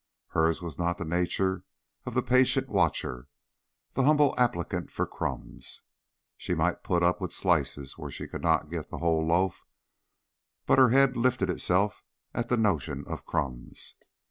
Hers was not the nature of the patient watcher, the humble applicant for crumbs. She might put up with slices where she could not get the whole loaf, but her head lifted itself at the notion of crumbs.